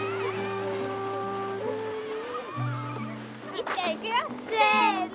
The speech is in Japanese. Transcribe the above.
いっちゃんいくよ！せの！